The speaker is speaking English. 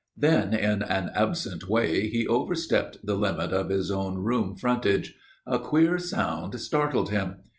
Then, in an absent way, he overstepped the limit of his own room frontage. A queer sound startled him.